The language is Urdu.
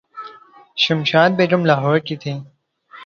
شمشاد بیگم لاہورکی تھیں۔